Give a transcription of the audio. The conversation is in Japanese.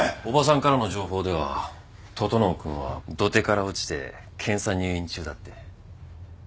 叔母さんからの情報では整君は土手から落ちて検査入院中だって。